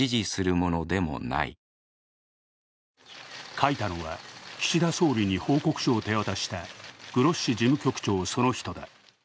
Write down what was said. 書いたのは、岸田総理に報告書を手渡したグロッシ事務局長その人だ。